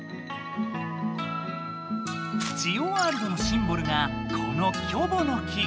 ジオワールドのシンボルがこの「キョボの木」。